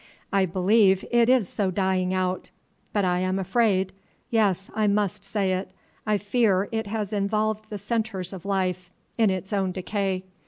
I believe it is so dying out; but I am afraid, yes, I must say it, I fear it has involved the centres of life in its own decay.